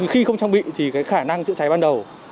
khi không trang bị thì khả năng chữa cháy ban đầu